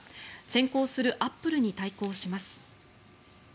先行するアップルに対抗します。